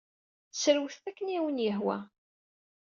Srewtet akken ay awen-yehwa.